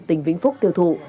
tỉnh vĩnh phúc tiêu thụ